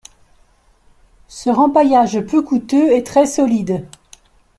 Ce rempaillage peu coûteux est très solide.